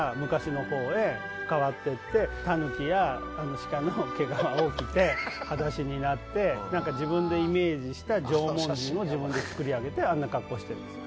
タヌキやシカの毛皮を着て裸足になってなんか自分でイメージした縄文人を自分で作り上げてあんな格好してるんですよ。